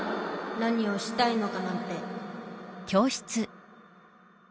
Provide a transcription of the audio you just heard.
何をしたいのかなんて。